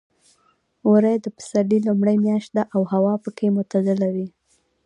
وری د پسرلي لومړۍ میاشت ده او هوا پکې معتدله وي.